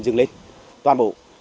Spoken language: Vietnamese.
dừng lên toàn bộ